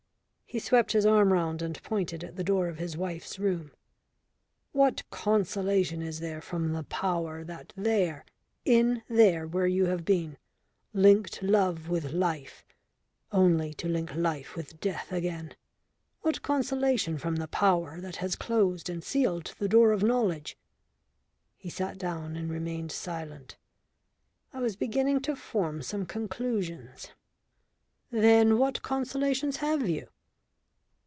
He swept his arm round and pointed at the door of his wife's room. "What consolation is there from the Power that there in there, where you have been linked love with life only to link life with death again? What consolation from the Power that has closed and sealed the door of knowledge?" He sat down and remained silent. I was beginning to form some conclusions. "Then what consolations have you?"